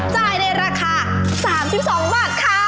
จ่ายในราคา๓๒บาทค่ะ